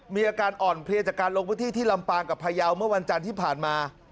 มีอาการอ่อนเพลียจากการลงพื้นที่ที่ลำปางกับพยาวเมื่อวันจันทร์ที่ผ่านมา